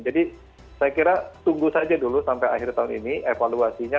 jadi saya kira tunggu saja dulu sampai akhir tahun ini evaluasinya